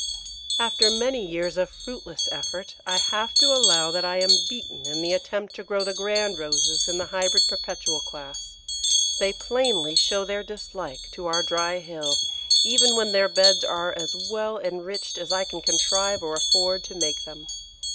] After many years of fruitless effort I have to allow that I am beaten in the attempt to grow the Grand Roses in the Hybrid Perpetual class. They plainly show their dislike to our dry hill, even when their beds are as well enriched as I can contrive or afford to make them.